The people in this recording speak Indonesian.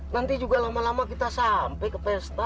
nanti juga lama lama kita sampai ke pesta